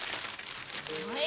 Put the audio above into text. はい！